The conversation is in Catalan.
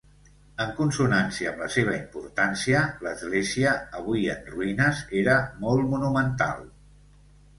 En consonància amb la seva importància, l'església, avui en ruïnes, era molt monumental.